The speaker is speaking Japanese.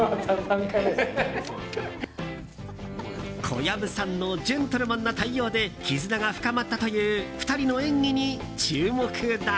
小籔さんのジェントルマンな対応で絆が深まったという２人の演技に注目だ。